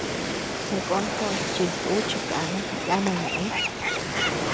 Sakó kos chis ú chi kànu yana ñeʼe.